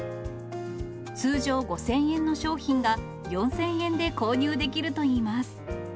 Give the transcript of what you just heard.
通常５０００円の商品が、４０００円で購入できるといいます。